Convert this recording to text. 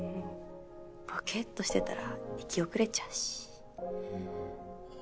ボケっとしてたら行き遅れちゃうし。